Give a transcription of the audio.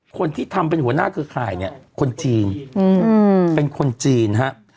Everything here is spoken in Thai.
คนที่ทำเป็นหัวหน้าเครือข่ายเนี่ยคนจีนเป็นคนจีนฮะ